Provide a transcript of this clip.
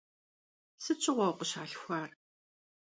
Sıt şığue vukhışalhxuar?